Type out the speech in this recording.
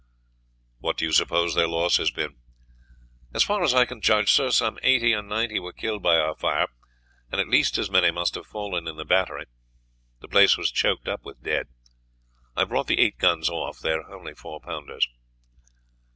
"What do you suppose their loss has been?" "As far as I can judge, sir, some eighty or ninety were killed by our fire, and at least as many must have fallen in the battery; the place was choked up with dead. I have brought the eight guns off; they are only four pounders."